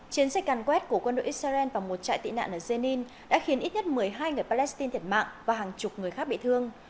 chiến dịch càn quét của quân đội israel vào một trại tị nạn ở jenin đã khiến ít nhất một mươi hai người palestine thiệt mạng và hàng chục người khác bị thương